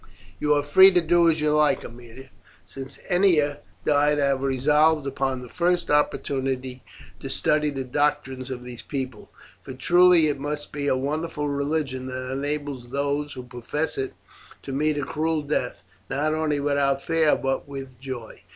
"You are free to do as you like, Aemilia. Since Ennia died I have resolved upon the first opportunity to study the doctrines of these people, for truly it must be a wonderful religion that enables those who profess it to meet a cruel death not only without fear but with joy.